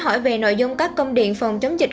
hỏi về nội dung các công điện phòng chống dịch